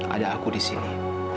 ada aku di sini